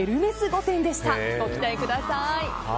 ご期待ください。